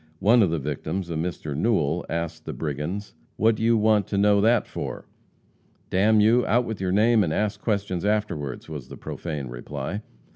One of the victims, a Mr. Newell, asked the brigands, "What do you want to know that for?" "D n you, out with your name, and ask questions afterward!" was the profane reply.